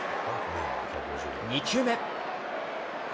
２球目。